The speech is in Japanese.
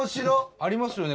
ありますよね